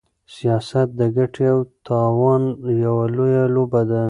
سياست د ګټې او تاوان يوه لويه لوبه ده.